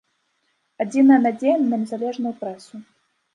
Адзіная надзея на незалежную прэсу.